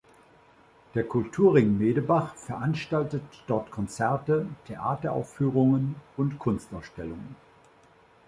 Der Kulturring Medebach veranstaltet dort Konzerte, Theateraufführungen und Kunstausstellungen.